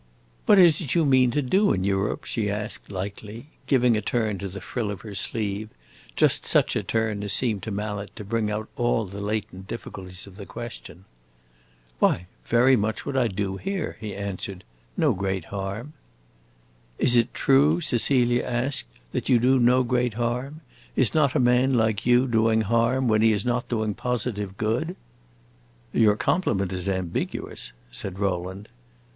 "What is it you mean to do in Europe?" she asked, lightly, giving a turn to the frill of her sleeve just such a turn as seemed to Mallet to bring out all the latent difficulties of the question. "Why, very much what I do here," he answered. "No great harm." "Is it true," Cecilia asked, "that here you do no great harm? Is not a man like you doing harm when he is not doing positive good?" "Your compliment is ambiguous," said Rowland.